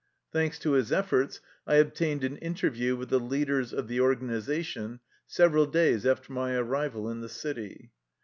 Thanks to his efforts, I obtained an interview with the leaders of the organization several days after my arrival in the city.